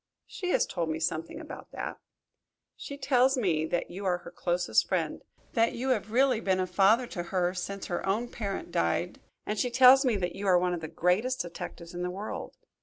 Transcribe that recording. "She has told me something about that." "She tells me you are her closest friend that you have really been a father to her since her own parent died. And she tells me that you are one of the greatest detectives in the world.